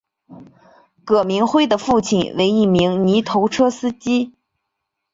葛民辉的父亲为一名泥头车司机。